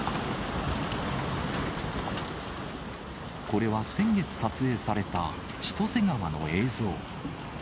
これは先月撮影された千歳川の映像。